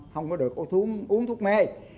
không có được uống thuốc mê